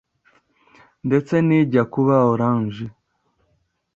ndetse n’ijya kuba Orange,